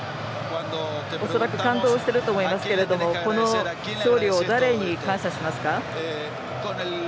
恐らく感動していると思いますけどもこの勝利を誰に感謝しますか？